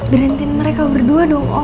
berhentiin mereka berdua dong